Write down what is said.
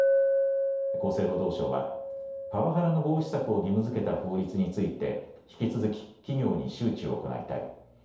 厚生労働省はパワハラの防止策を義務づけた法律について引き続き企業に周知を行いたい。